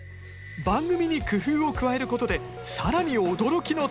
番組に工夫を加えることでさらに驚きの体験も。